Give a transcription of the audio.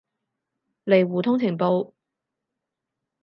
嚟互通情報